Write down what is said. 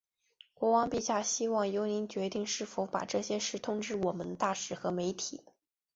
国王陛下希望由您决定是否把这些事通知我们的大使和媒体。